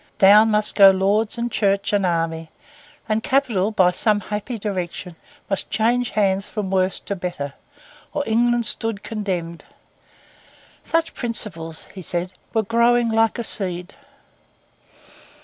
Down must go Lords and Church and Army; and capital, by some happy direction, must change hands from worse to better, or England stood condemned. Such principles, he said, were growing 'like a seed.